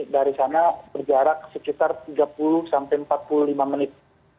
dari sana berjarak sekitar tiga puluh sampai empat puluh lima menit